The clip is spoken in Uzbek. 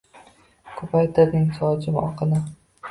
Kupaytirding sochim oqini